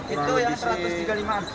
itu yang satu ratus tiga puluh lima an